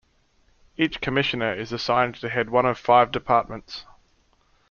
Each Commissioner is assigned to head one of five departments.